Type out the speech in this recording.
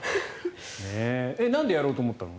なんでやろうと思ったの？